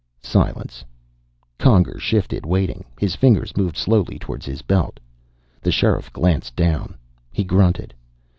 Silence. Conger shifted, waiting. His fingers moved slowly toward his belt. The Sheriff glanced down. He grunted.